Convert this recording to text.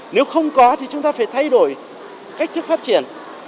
nếu không có thì chúng ta phải thay đổi cách thức phát triển